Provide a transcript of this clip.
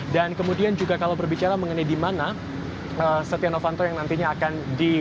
dan kemudian juga kalau berbicara mengenai di mana setia novanto yang nantinya akan